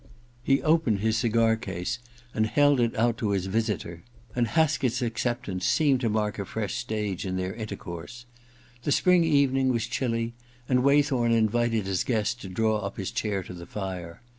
He opened his cigar case and held it out to his visitor, and Haskett's acceptance seemed to mark a fresh stage in their intercourse. The spring evening was chilly, and Waythorn invited his guest to draw up his chair to the fire.